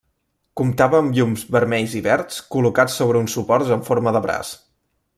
Comptava amb llums vermells i verds, col·locats sobre uns suports amb forma de braç.